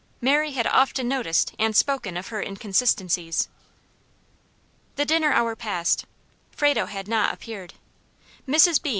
Mary had often noticed and spoken of her inconsistencies. The dinner hour passed. Frado had not appeared. Mrs. B.